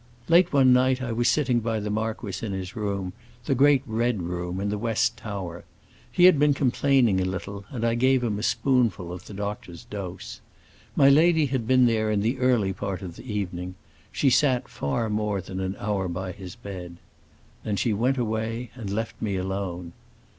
"Late one night I was sitting by the marquis in his room, the great red room in the west tower. He had been complaining a little, and I gave him a spoonful of the doctor's dose. My lady had been there in the early part of the evening; she sat far more than an hour by his bed. Then she went away and left me alone.